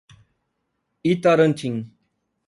Itarantim